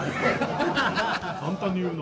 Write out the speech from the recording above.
簡単に言うな。